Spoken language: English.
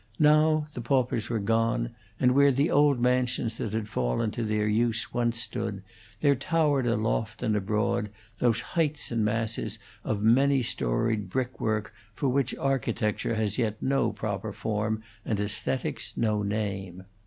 Now the paupers were gone, and where the old mansions that had fallen to their use once stood, there towered aloft and abroad those heights and masses of many storied brick work for which architecture has yet no proper form and aesthetics no name.